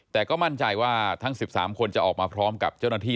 แต่ก็มั่นใจว่าทั้ง๑๓คนจะออกมาพร้อมกับเจ้าหน้าที่